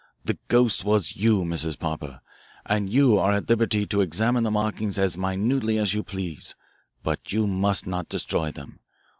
The ghost was you, Mrs. Popper, and you are at liberty to examine the markings as minutely as you please, but you must not destroy them.